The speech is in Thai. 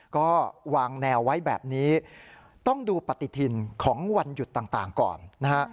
ก็วางแนวไว้แบบนี้ต้องดูปฏิทินของวันหยุดต่างก่อนนะฮะ